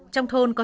trong thôn có